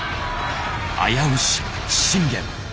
危うし信玄！